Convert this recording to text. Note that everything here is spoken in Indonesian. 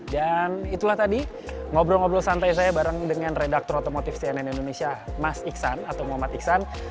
dan itulah tadi ngobrol ngobrol santai saya bareng dengan redaktor otomotif cnn indonesia mas iksan atau muhammad iksan